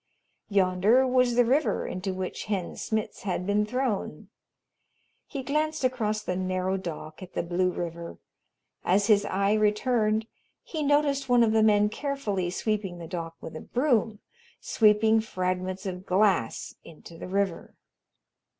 Yonder was the river into which Hen Smitz had been thrown. He glanced across the narrow dock at the blue river. As his eye returned he noticed one of the men carefully sweeping the dock with a broom sweeping fragments of glass into the river.